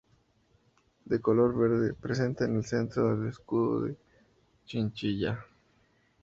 De color verde, presenta en el centro el escudo de Chinchilla.